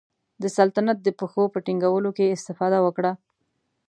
د سلطنت د پښو په ټینګولو کې استفاده وکړه.